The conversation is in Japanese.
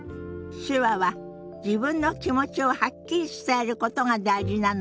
手話は自分の気持ちをはっきり伝えることが大事なのよね。